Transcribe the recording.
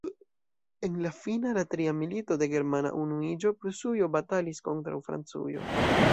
En la fina, la tria milito de germana unuiĝo, Prusujo batalis kontraŭ Francujo.